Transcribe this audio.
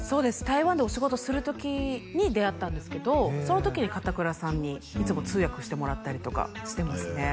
台湾でお仕事する時に出会ったんですけどその時に片倉さんにいつも通訳してもらったりとかしてますね